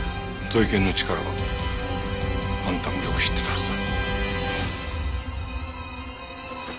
ゾイケンの力はあんたもよく知ってたはずだ。